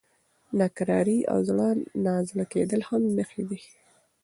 ناکراري او زړه نازړه کېدل هم نښې دي.